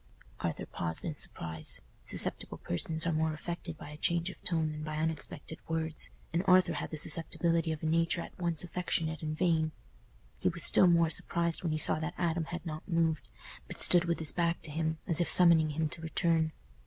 Arthur paused in surprise. Susceptible persons are more affected by a change of tone than by unexpected words, and Arthur had the susceptibility of a nature at once affectionate and vain. He was still more surprised when he saw that Adam had not moved, but stood with his back to him, as if summoning him to return.